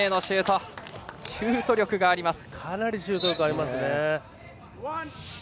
かなりシュート力がありますね。